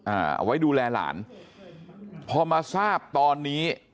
เอาไว้ดูแลหลานพอมาทราบตอนนี้